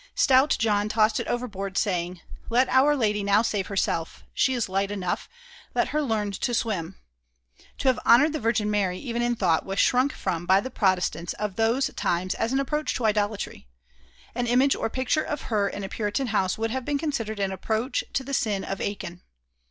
Stout John tossed it overboard, saying, "Let our Lady now save herself; she is light enough, let her learn to swim." To have honored the Virgin Mary, even in thought, was shrunk from by the Protestants of those times as an approach to idolatry. An image or a picture of her in a Puritan house would have been considered an approach to the sin of Achan.